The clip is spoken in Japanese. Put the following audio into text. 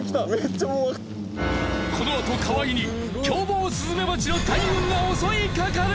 このあと河合に凶暴スズメバチの大群が襲いかかる！